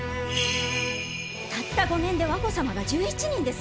たった５年で和子様が１１人ですぞ！